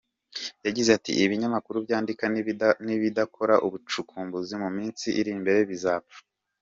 Yagize ati “Ibinyamakuru byandika nibidakora ubucukumbuzi mu minsi iri imbere bizapfa.